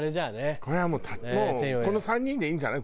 これはもうこの３人でいいんじゃない？